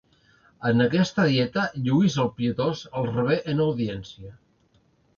En aquesta Dieta Lluís el Pietós els rebé en audiència.